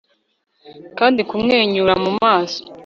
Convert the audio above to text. Kandi kumwenyura mu maso